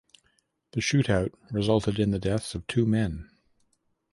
The shootout resulted in the deaths of two men.